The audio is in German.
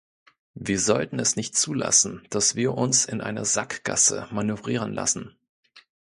Wir sollten es nicht zulassen, dass wir uns in eine Sackgasse manövrieren lassen.